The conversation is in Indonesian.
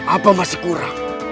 apa masih kurang